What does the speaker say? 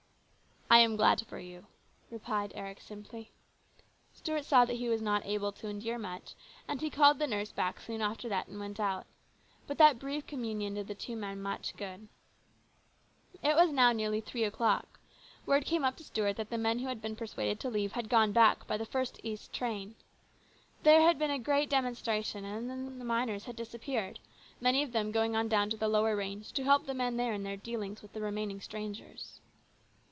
" I am glad for you," replied Eric simply. Stuart saw that he was not able to endure much, and he called the nurse back soon after that and went out. But that brief communion did the two men much good. It was now nearly three o'clock. Word came up to Stuart that the men who had been persuaded to leave had gone back by the first train east. AN EXCITING TIME. 188 had been a great demonstration, and then the miners had disappeared, many of them going on down to the lower range to help the men there in their dealings with the remaining strangers.